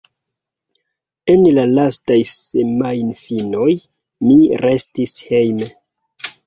En la lastaj semajnfinoj, mi restis hejme.